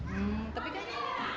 hmm tapi kan